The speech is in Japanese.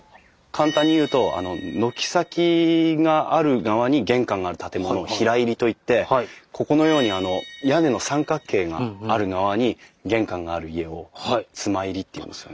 簡単に言うと軒先がある側に玄関がある建物を平入りといってここのように屋根の三角形がある側に玄関がある家を妻入りっていうんですよね。